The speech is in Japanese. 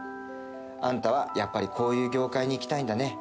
あんたはやっぱりこういう業界に行きたいんだね。